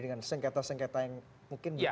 dengan sengketa sengketa yang mungkin bisa